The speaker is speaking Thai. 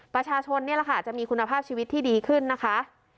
ประชาชนนี่แหละค่ะจะมีคุณภาพชีวิตที่ดีขึ้นนะคะ